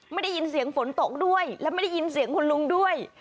ไม่ได้ยินเสียงฝนตกด้วยและไม่ได้ยินเสียงคุณลุงด้วย